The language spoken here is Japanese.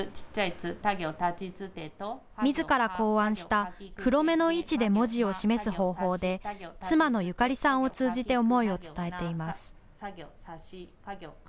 みずから考案した黒目の位置で文字を示す方法で妻の友香利さんを通じて思いを伝えています。